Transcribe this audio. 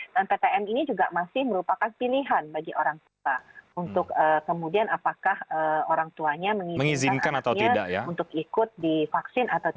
dan ptm ini juga masih merupakan pilihan bagi orang tua untuk kemudian apakah orang tuanya mengizinkan untuk ikut divaksin